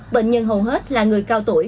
bệnh nhân hầu hết là người cao tuổi